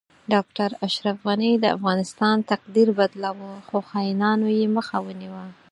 ډاکټر اشرف غنی د افغانستان تقدیر بدلو خو خاینانو یی مخه ونیوه